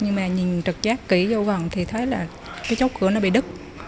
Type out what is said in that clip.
nhưng mà nhìn trật giác kỹ vô vòng thì thấy là cái chốt cửa nó bị đứt